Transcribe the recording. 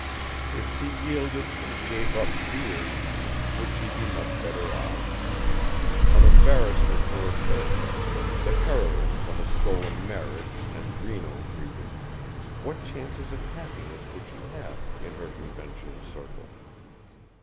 If she yielded and gave up Vere, would she be much better off? An embarrassment to her family, the heroine of a stolen marriage and Reno freedom, what chance of happiness would she have in her conventional circle?